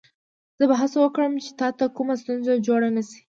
زه به هڅه وکړم چې تا ته کومه ستونزه جوړه نه شي.